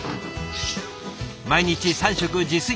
毎日３食自炊。